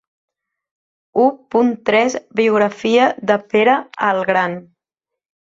U punt tres Biografia de Pere el Gran.